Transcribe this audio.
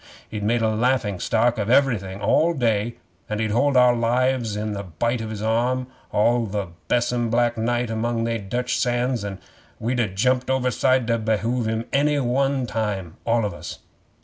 He made a laughing stock of everything all day, and he'd hold our lives in the bight of his arm all the besom black night among they Dutch sands; and we'd ha' jumped overside to behove him any one time, all of us.